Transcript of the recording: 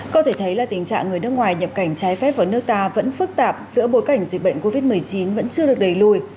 có thể thấy là tình trạng người nước ngoài nhập cảnh trái phép vào nước ta vẫn phức tạp giữa bối cảnh dịch bệnh covid một mươi chín vẫn chưa được đẩy lùi